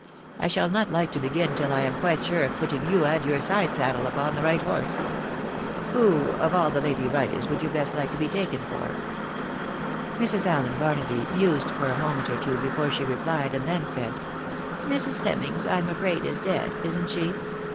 I shall not like to begin till I am quite sure of putting you and your side saddle upon the right horse. Who, of all the lady writers, would you best like to be taken for?" Mrs. Allen Barnaby mused for a moment or two before she replied, and then said —" Mrs. Hemings, I am afraid, is dead ; isn't she